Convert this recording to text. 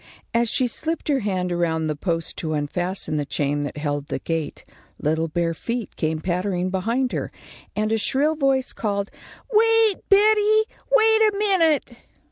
As she slipped her hand around the post to unfasten the chain that held the gate, little bare feet came pattering behind her, and a shrill voice called: "Wait, Betty, wait a minute!"